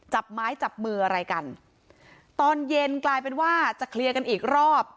จับไม้จับมืออะไรกันตอนเย็นกลายเป็นว่าจะเคลียร์กันอีกรอบ